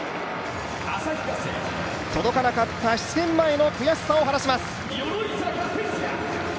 届かなかった７年前の悔しさを晴らします。